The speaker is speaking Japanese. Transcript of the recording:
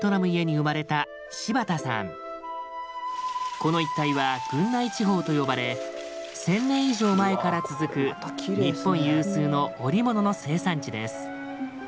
この一帯は郡内地方と呼ばれ１，０００年以上前から続く日本有数の織物の生産地です。